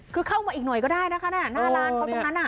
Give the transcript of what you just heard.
คือเข้ามาอีกหน่อยก็ได้นะคะหน้าร้านเขาตรงนั้น